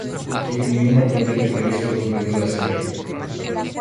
Kim Newman no tiene previsto concluir la serie.